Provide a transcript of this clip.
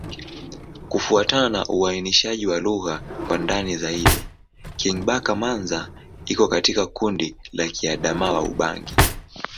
Kufuatana na uainishaji wa lugha kwa ndani zaidi, Kingbaka-Manza iko katika kundi la Kiadamawa-Ubangi.